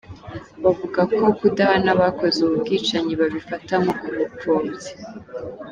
Bavuga ko kudahana abakoze ubu bwicanyi babifata nko kubupfobya.